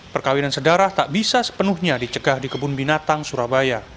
perkawinan sedara tak bisa sepenuhnya dicegah di kebun binatang surabaya